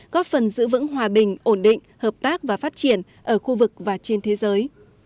góp phần giữ vững hòa bình ổn định hợp tác và phát triển ở khu vực và trên thế giới